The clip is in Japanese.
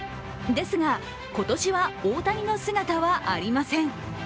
ですが、今年は大谷の姿はありません。